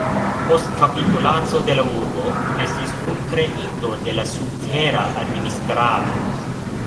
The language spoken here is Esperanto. Post kapitulaco de la urbo estis kunkreinto de la subtera administrado.